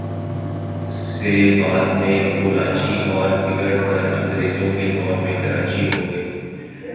سے بعد میں کولاچی اور بگڑ کر انگریزوں کے دور میں کراچی ھو گئی